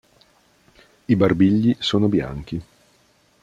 I barbigli sono bianchi.